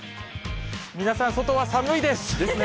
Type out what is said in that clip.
皆さん、外は寒いです。ですね。